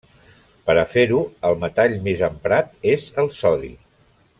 Per a fer-ho el metall més emprat és el sodi.